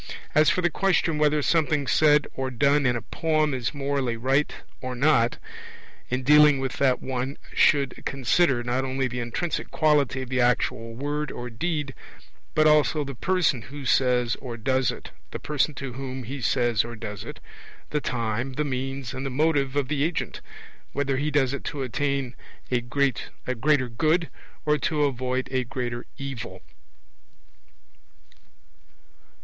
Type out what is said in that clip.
As for the question whether something said or done in a poem is morally right or not, in dealing with that one should consider not only the intrinsic quality of the actual word or deed, but also the person who says or does it, the person to whom he says or does it, the time, the means, and the motive of the agent whether he does it to attain a greater good, or to avoid a greater evil.